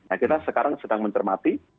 nah kita sekarang sedang mencermati